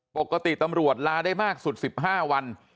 ปกติตำรวจลาได้มากสุด๑๕วัน